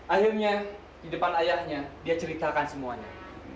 akhirnya di depan ayahnya dia ceritakan semuanya